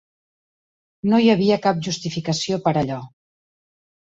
No hi havia cap justificació per allò.